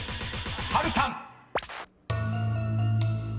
［波瑠さん］